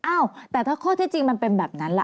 อ้าวแต่ถ้าข้อที่จริงมันเป็นแบบนั้นล่ะ